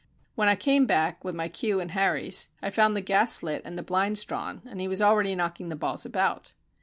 When I came back with my cue and Harry's, I found the gas lit and the blinds drawn, and he was already knocking the balls about.